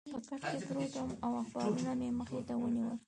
په کټ کې پروت وم او اخبارونه مې مخې ته ونیول.